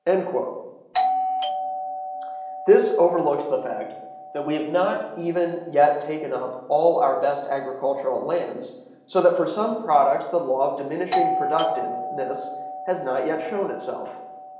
(181) This overlooks the fact that we have not even yet taken up all our best agricultural lands, so that for some products the law of diminishing productiveness has not yet shown itself.